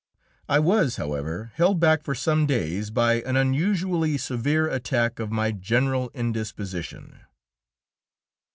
I was, however, held back for some days by an unusually severe attack of my general indisposition.